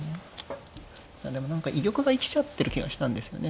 でも何か居玉が生きちゃってる気がしたんですよね